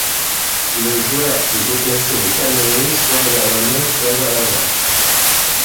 Le joueur peut déplacer le canoë soit vers l’amont soit vers l’aval.